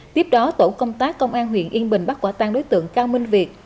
tiếp đó tổ công tác công an huyện yên bình bắt quả tang đối tượng cao minh việt